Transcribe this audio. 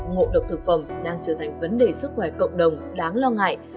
ngộ độc thực phẩm đang trở thành vấn đề sức khỏe cộng đồng đáng lo ngại